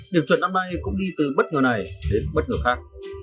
điểm chuẩn năm nay cũng đi từ bất ngờ này đến bất ngờ khác